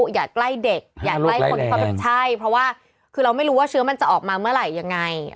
อย่าใกล้เด็กอย่าใกล้คนที่เขาเป็นใช่เพราะว่าคือเราไม่รู้ว่าเชื้อมันจะออกมาเมื่อไหร่ยังไง